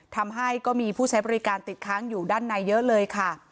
ทำให้ก็มีผู้ใช้บริการติดค้างอยู่ด้านในเยอะเลยค่ะ